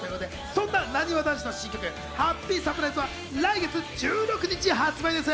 そんな、なにわ男子の新曲『ハッピーサプライズ』は来月１６日発売です。